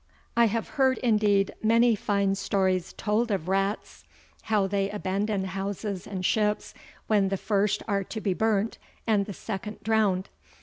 I have heard indeed many fine stories told of rats, how they abandon houses and ships, when the first are to be burnt and the second dround.